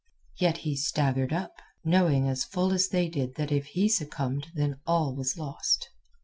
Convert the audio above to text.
Yet he staggered up, knowing as full as did they that if he succumbed then all was lost.